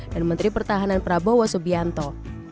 dan menteri pertahanan prabowo subianto